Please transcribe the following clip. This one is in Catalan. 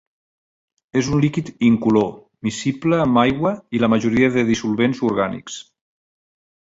És un líquid incolor, miscible amb aigua i la majoria de dissolvents orgànics.